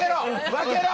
分けろ！